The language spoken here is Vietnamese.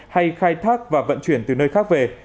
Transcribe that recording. hay khai thác và vận chuyển từ nơi khác về